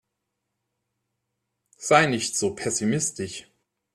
Sei nicht so pessimistisch.